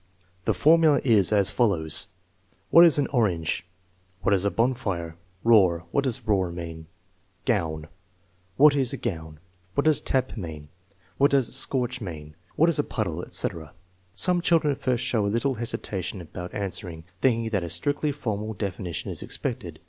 The formula is as follows: "What is an orange?" " What is a bonfire ?"" Roar; what does roar mean ?"" Gown; what is a gown?" "What does tap mean?" " What does scorch mean? "" What is a piddle f " etc. Some children at first show a little hesitation about an swering, thinking that a strictly formal definition is ex pected.